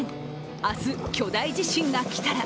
「あす巨大地震が来たら」